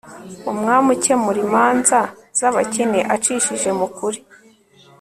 umwami ukemura imanza z'abakene acishije mu kuri